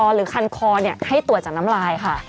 หรือคันคอให้ตรวจจากน้ำลายค่ะ